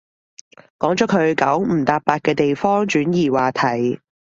講咗佢九唔搭八嘅地方，轉移話題